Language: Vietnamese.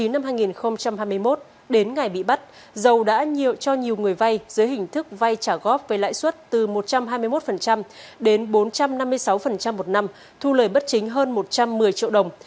năm hai nghìn hai mươi một đến ngày bị bắt dầu đã nhiều cho nhiều người vay dưới hình thức vay trả góp với lãi suất từ một trăm hai mươi một đến bốn trăm năm mươi sáu một năm thu lời bất chính hơn một trăm một mươi triệu đồng